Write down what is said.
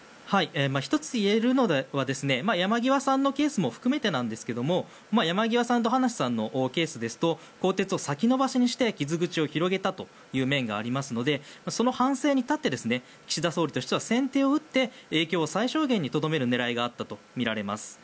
１つ言えるのは山際さんのケースも含めてですが山際さんと葉梨さんのケースですと更迭を先延ばしにして傷口を広げたという面がありますのでその反省に立って岸田総理としては先手を打って影響を最小限にとどめる狙いがあったとみられます。